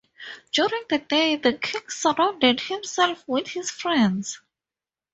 During the day, the king surrounded himself with his friends.